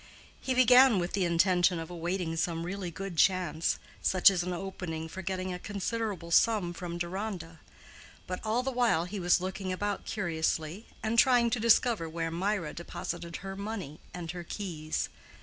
He began with the intention of awaiting some really good chance, such as an opening for getting a considerable sum from Deronda; but all the while he was looking about curiously, and trying to discover where Mirah deposited her money and her keys.